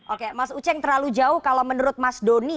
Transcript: oke mas uceng terlalu jauh kalau menurut mas doni